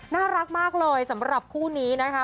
น่ารักมากเลยสำหรับคู่นี้นะคะ